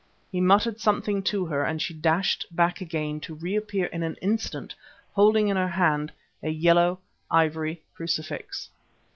He muttered something to her and she dashed back again to re appear in an instant holding in her hand a yellow ivory crucifix.